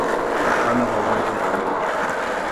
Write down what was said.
Forma-valor geral